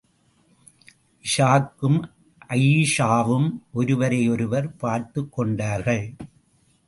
இஷாக்கும், அயீஷாவும் ஒருவரையொருவர் பார்த்துக் கொண்டார்கள்.